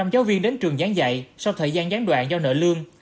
một trăm linh giáo viên đến trường gián dạy sau thời gian gián đoạn do nợ lương